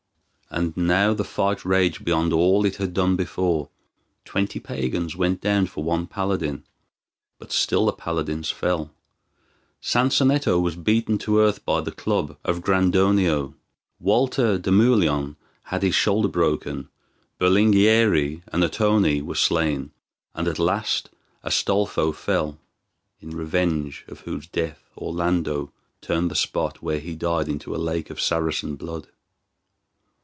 And now the fight raged beyond all it had done before; twenty pagans went down for one paladin, but still the paladins fell. Sansonetto was beaten to earth by the club of Grandonio, Walter d'Amulion had his shoulder broken, Berlinghieri and Ottone were slain, and at last Astolpho fell, in revenge of whose death Orlando turned the spot where he died into a lake of Saracen blood.